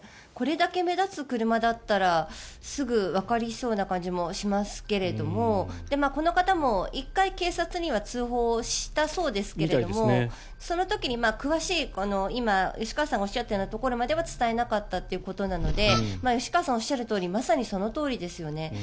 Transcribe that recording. これだけ目立つ車だったらすぐわかりそうな感じもしますがこの方も１回、警察には通報したそうですけれどもその時に詳しい今、吉川さんがおっしゃったようなところまでは伝えなかったということなので吉川さんがおっしゃるとおりまさにそのとおりですよね。